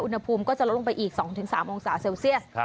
อุณหภูมิก็จะลดลงไปอีก๒๓องศาเซลเซียส